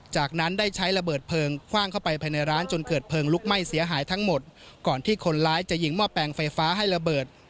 จากนั้นได้ใช้ระเบิดเพลิงคว่างเข้าไปภายในร้านจนเกิดเพลิงลุกไหม้เสียหายทั้งหมดก่อนที่คนร้ายจะยิงหม้อแปลงไฟฟ้าให้ระเบิด